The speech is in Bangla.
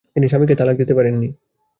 তিনি স্বামীকে তালাক দিতে পারেননি।